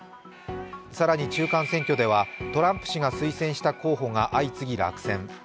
更に、中間選挙ではトランプ氏が推薦した候補が相次いで落選。